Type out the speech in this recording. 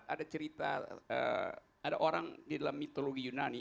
ada cerita ada orang di dalam mitologi yunani